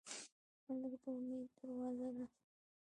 هلک د امید دروازه ده.